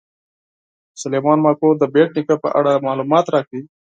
سلیمان ماکو د بېټ نیکه په اړه معلومات راکوي.